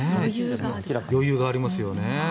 余裕がありますよね。